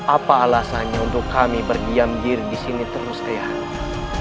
apa alasannya untuk kami berdiam diri disini terus ayahanda